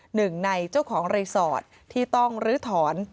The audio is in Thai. หนึ่งในเจ้าของรีสอร์ทที่ต้องลื้อถอน